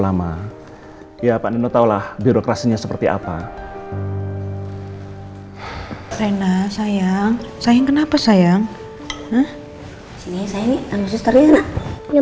lama ya pak nino tahulah birokrasinya seperti apa rena sayang sayang kenapa sayang ini saya